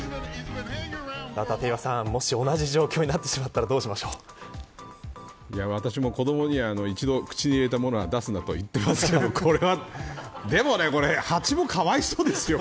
立岩さん、もし同じ状況になってしまったら私も子どもには一度口に入れたものは出すなとは言っていますが、これはでもねこれハチもかわいそうですよ。